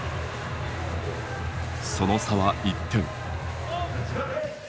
その差は１点。